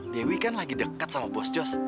dewi kan lagi dekat sama bos jos